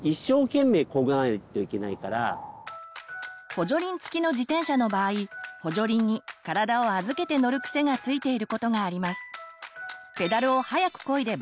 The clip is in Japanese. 補助輪付きの自転車の場合補助輪に体を預けて乗る癖がついていることがあります。